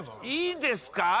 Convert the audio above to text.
いいですか。